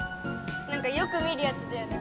なんかよくみるやつだよね